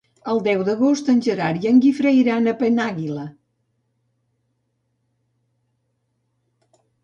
El deu d'agost en Gerard i en Guifré iran a Penàguila.